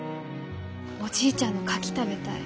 おじいちゃんのカキ食べたい。